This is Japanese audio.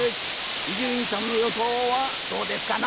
伊集院さんのよそうはどうですかな？